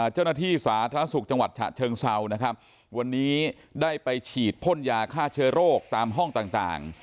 เจ้าหน้าที่สาธารณสุขจังหวัดฉะเชิงเซานะครับวันนี้ได้ไปฉีดพ่นยาฆ่าเชื้อโรคตามห้องต่าง